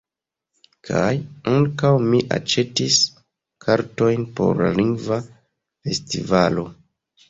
Kaj ankaŭ, mi aĉetis kartojn por la Lingva Festivalo.